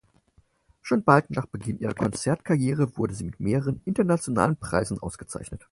Schon bald nach Beginn ihrer Konzertkarriere wurde sie mit mehreren internationalen Preisen ausgezeichnet.